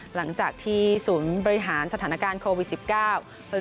หลังจากที่ศูนย์บริหารสถานการณ์โควิด๑๙